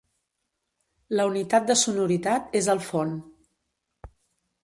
La unitat de sonoritat és el fon.